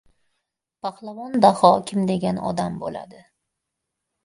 Pahlavon Daho kim degan odam bo‘ladi?..